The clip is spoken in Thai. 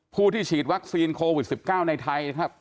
ผู้ที่ฉีดวัคซีนโควิด๑๙ในไทยนะครับ